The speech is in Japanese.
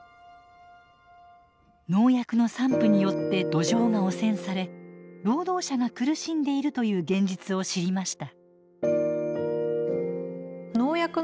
農薬の散布によって土壌が汚染され労働者が苦しんでいるという現実を知りました。